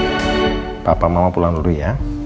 sa papa mama pulang dulu ya